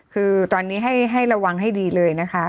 คือตอนนี้ให้ระวังให้ดีเลยนะคะ